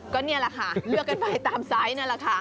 ก็นี่แหละค่ะเลือกกันไปตามไซส์นั่นแหละค่ะ